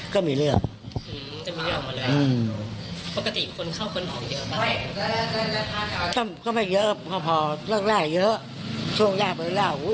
ก็ไม่เยอะพออยู่พร็อกแรกเยอะ